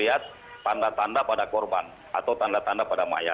yang bermasalah karena